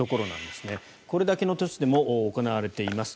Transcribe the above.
これだけの都市でも行われています。